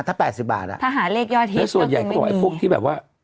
ถ้า๘๐บาทอ่ะถ้าหาเลขยอดฮิตแล้วส่วนใหญ่เขาบอกไอ้พวกที่แบบว่า